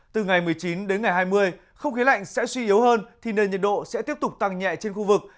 từ ngày một mươi chín đến ngày hai mươi không khí lạnh sẽ suy yếu hơn thì nền nhiệt độ sẽ tiếp tục tăng nhẹ trên khu vực